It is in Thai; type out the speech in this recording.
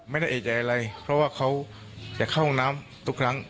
ไม่ได้เอกใจอะไรเพราะว่าเขาจะเข้าห้องน้ำทุกครั้ง